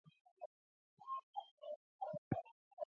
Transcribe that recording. Zina mzozo wa muda mrefu ambao ulisababishwa vifo vya maelfu ya watu.